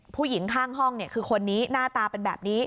ผู้หญิงข้างห้องคือคนนี้หน้าตาเป็นแบบนี้